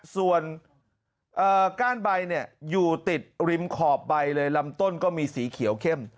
ส่วนก้านใบอยู่ติดริมขอบใบเลยลำต้นก็มีสีเขียวเข้ม